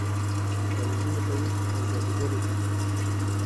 چې تعويذونه کوي او جادوګرې دي.